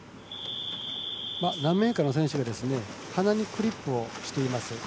何名かの選手が鼻にクリップをしています。